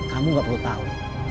kamu gak perlu tau